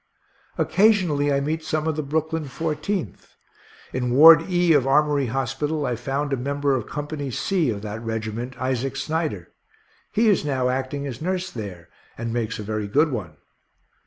Occasionally I meet some of the Brooklyn Fourteenth. In Ward E of Armory hospital I found a member of Company C of that regiment, Isaac Snyder; he is now acting as nurse there, and makes a very good one.